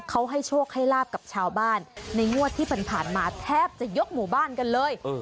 เขาให้โชคให้ลาบกับชาวบ้านในงวดที่ผ่านมาแทบจะยกหมู่บ้านกันเลย